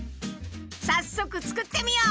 早速作ってみよう！